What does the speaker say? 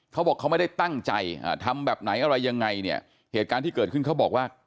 เขาบอกเขาไม่ได้ตั้งใจทำแบบไหนอะไรยังไงเนี่ยเหตุการณ์ที่เกิดขึ้นเขาบอกว่า